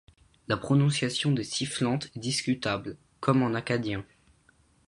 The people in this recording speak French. La prononciation des sifflantes est discutable, comme en akkadien.